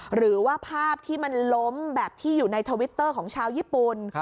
หรือว่าภาพที่มันล้มแบบที่อยู่ในทวิตเตอร์ของชาวญี่ปุ่น